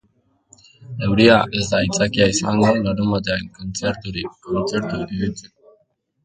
Euria ez da aitzakia izango larunbatean kontzerturik kontzertu ibiltzeko.